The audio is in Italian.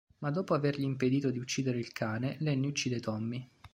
Ma, dopo avergli impedito di uccidere il cane, Lenny uccide Tommy.